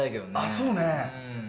そうね。